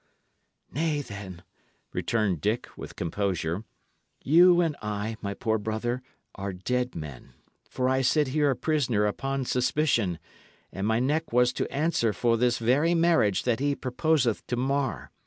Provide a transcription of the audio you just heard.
"Nay, then," returned Dick, with composure, "you and I, my poor brother, are dead men; for I sit here a prisoner upon suspicion, and my neck was to answer for this very marriage that he purposeth to mar.